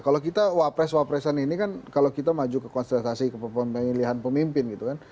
kalau kita wapres wapresan ini kan kalau kita maju ke konsultasi kepemilian pemimpin gitu kan